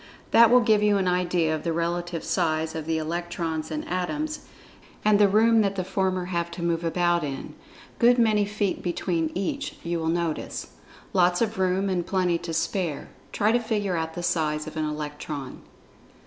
That will give you an idea of the relative size of the Electrons and Atoms, and the room that the former have to move about in—good many feet between each, you will notice. Lots of room, and plenty to spare. Try to figure out the size of an Electron.